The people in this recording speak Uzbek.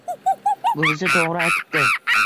Buvisi to‘g‘ri aytibdi